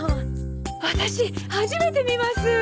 ワタシ初めて見ます！